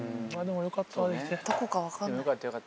でもよかったできて。